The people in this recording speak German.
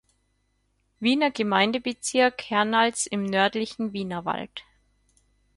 Wiener Gemeindebezirk Hernals im nördlichen Wienerwald.